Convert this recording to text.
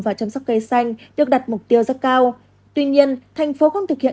và chăm sóc cây xanh được đặt mục tiêu rất cao tuy nhiên thành phố không thực hiện